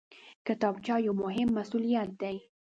کتابچه یو مهم مسؤلیت دی